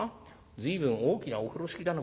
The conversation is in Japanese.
随分大きなお風呂敷だね